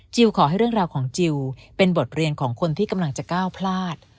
ขอให้เรื่องราวของจิลเป็นบทเรียนของคนที่กำลังจะก้าวพลาด